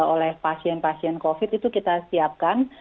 oleh pasien pasien covid itu kita siapkan